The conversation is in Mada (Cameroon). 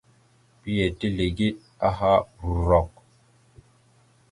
Mbiyez tezlegeɗ aha rrok.